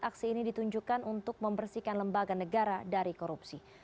aksi ini ditunjukkan untuk membersihkan lembaga negara dari korupsi